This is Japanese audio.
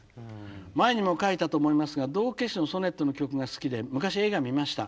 「前にも書いたと思いますが『道化師のソネット』の曲が好きで昔映画見ました。